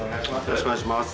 よろしくお願いします。